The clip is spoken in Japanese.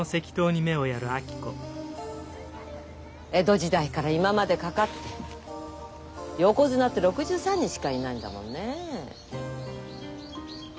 江戸時代から今までかかって横綱って６３人しかいないんだもんねえ。